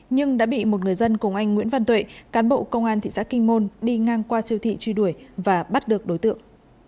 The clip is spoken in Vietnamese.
nhưng đã bị một người dân cùng anh nguyễn văn tuệ cán bộ công an thị xã kinh môn đi ngang qua siêu thị truy đuổi và bắt được đối tượng